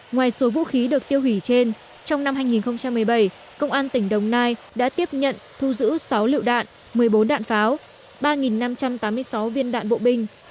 ngoài số vũ khí được tiêu hủy trên trong năm hai nghìn một mươi bảy công an tỉnh đồng nai đã tiếp nhận thu giữ sáu lựu đạn một mươi bốn đạn pháo ba năm trăm tám mươi sáu viên đạn bộ binh